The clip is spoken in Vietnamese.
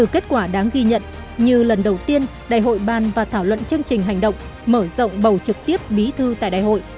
kết quả đáng ghi nhận như lần đầu tiên đại hội ban và thảo luận chương trình hành động mở rộng bầu trực tiếp bí thư tại đại hội